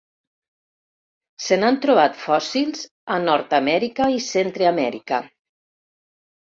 Se n'han trobat fòssils a Nord-amèrica i Centreamèrica.